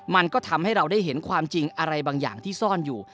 มันก็ทำให้เราได้เห็นความจริงอะไรบางอย่างที่ซ่อนอยู่